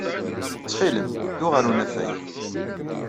Ttxil-m, ddu ɣer unafag.